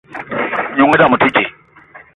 N'noung i dame o te dji.